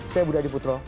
saya budha diputro